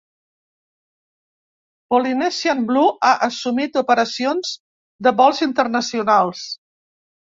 Polynesian Blue ha assumit operacions de vols internacionals.